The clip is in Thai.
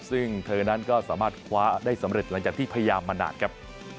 ซึ่งเธอนั้นก็สามารถคว้าได้สำเร็จหลังจากที่พยายามมานานครับ